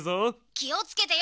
「きをつけてよ